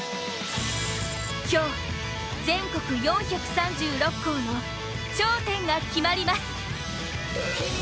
今日、全国４３６校の頂点が決まります。